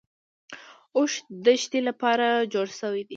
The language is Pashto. اوښ د دښتې لپاره جوړ شوی دی